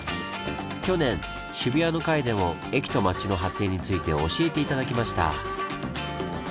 去年「渋谷」の回でも駅と町の発展について教えて頂きました。